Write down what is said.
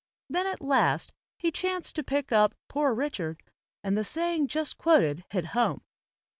Then at last he chanced to pick up 'Poor Richard/ and the saying just quoted hit home.